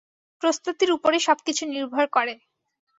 প্রস্তুতির উপরেই সব-কিছু নির্ভর করে।